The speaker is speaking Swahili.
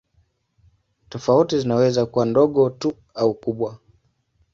Tofauti zinaweza kuwa ndogo tu au kubwa.